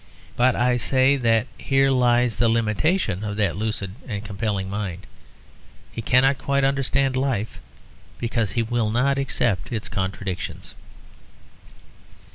But I say that here lies the limitation of that lucid and compelling mind; he cannot quite understand life, because he will not accept its contradictions.